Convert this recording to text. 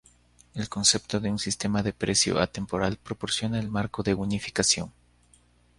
El concepto de un sistema de precio atemporal proporciona el marco de unificación.